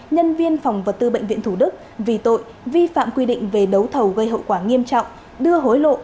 nhân viên phòng vật tư bệnh viện thủ đức vì tội vi phạm quy định về đấu thầu gây hậu quả nghiêm trọng đưa hối lộ